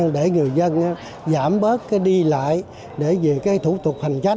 để người dân giảm bớt cái đi lại để về cái thủ tục hành chính